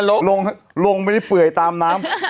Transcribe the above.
ลงลงไม่ได้เปื่อยตามน้ำ